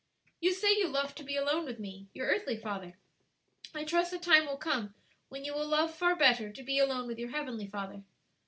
"You say you love to be alone with me, your earthly father; I trust the time will come when you will love far better to be alone with your heavenly Father.